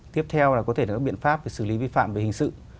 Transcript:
tiếp theo là có thể là các biện pháp về xử lý vi phạm về hình sự